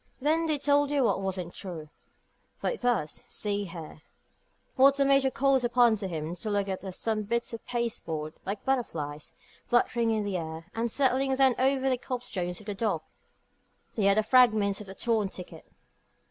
"Then they told you what wasn't true. For it does. See here!" What the Major calls upon him to look at are some bits of pasteboard, like butterflies, fluttering in the air, and settling down over the copestone of the dock. They are the fragments of the torn ticket.